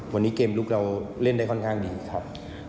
วันนี้เกมลุกเราเล่นได้ค่อนข้างดีครับ